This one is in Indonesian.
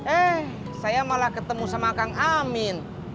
eh saya malah ketemu sama kang amin